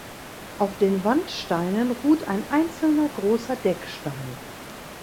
Auf den Wandsteinen ruht ein einzelner großer Deckstein.